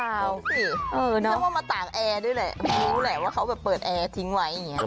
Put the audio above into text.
เรียกว่ามาตากแอร์ด้วยแหละรู้แหละว่าเขาแบบเปิดแอร์ทิ้งไว้อย่างนี้